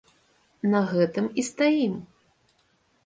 На гэтым і стаім.